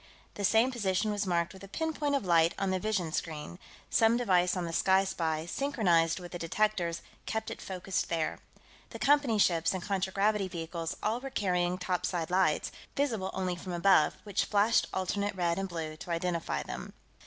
The same position was marked with a pin point of light on the vision screen some device on the Sky Spy, synchronized with the detectors, kept it focused there. The Company ships and contragravity vehicles all were carrying topside lights, visible only from above, which flashed alternate red and blue to identify them.